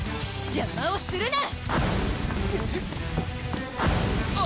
邪魔をするな！